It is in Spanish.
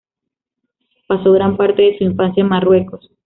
Pasó gran parte de su infancia en Marruecos.